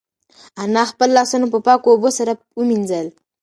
انا خپل لاسونه په پاکو اوبو سره ومینځل.